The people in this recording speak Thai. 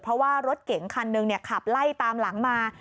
เพราะว่ารถเก๋งคันหนึ่งขับไล่ตามหลังมา